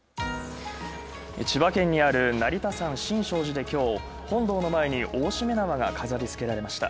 千葉県にある成田山新勝寺できょう、本堂の前にある大しめ縄が飾り付けられました。